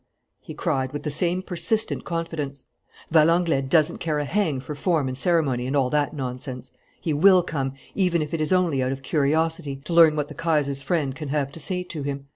he cried, with the same persistent confidence. "Valenglay doesn't care a hang for form and ceremony and all that nonsense. He will come, even if it is only out of curiosity, to learn what the Kaiser's friend can have to say to him.